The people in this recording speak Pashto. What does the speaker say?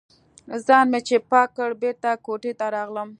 ځان مې چې پاک کړ، بېرته کوټې ته راغلم.